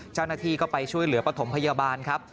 เจ้าหน้าที่ก็ไปช่วยเหลือปฐมพยาบาลครับ